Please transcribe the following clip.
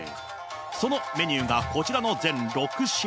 そのメニューがこちらの全６品。